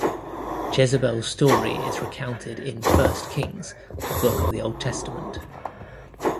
Jezebel's story is recounted in I Kings, a book of the Old Testament.